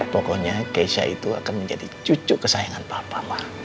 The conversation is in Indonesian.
pokoknya kesha itu akan menjadi cucu kesayangan papa